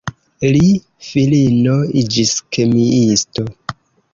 Li filino iĝis kemiisto.